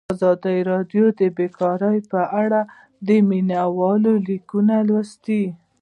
ازادي راډیو د بیکاري په اړه د مینه والو لیکونه لوستي.